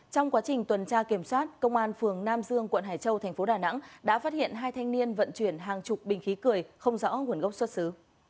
trong quá trình tuần tra kiểm soát công an phường nam dương quận hải châu thành phố đà nẵng đã phát hiện hai thanh niên vận chuyển hàng chục bình khí cười không rõ nguồn gốc xuất xứ